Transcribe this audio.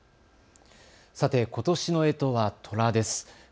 さて、ことしのえとはとらです。